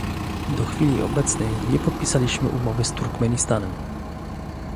Do chwili obecnej nie podpisaliśmy umowy z Turkmenistanem